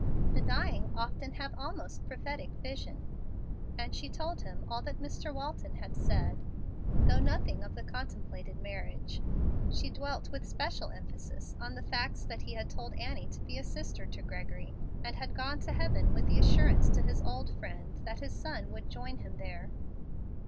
"The dying often have almost prophetic vision;" and she told him all that Mr. Walton had said, though nothing of the contemplated marriage. She dwelt with special emphasis on the facts that he had told Annie to be a sister to Gregory and had gone to heaven with the assurance to his old friend that his son would join him there.